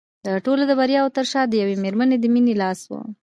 د ټولو د بریاوو تر شا د یوې مېرمنې د مینې لاس و